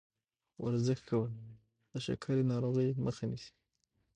ورزش کول د شکرې ناروغۍ مخه نیسي.